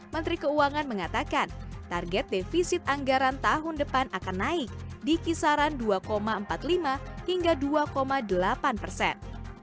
menteri keuangan mengatakan target defisit anggaran tahun depan akan naik di kisaran dua empat puluh lima hingga dua delapan persen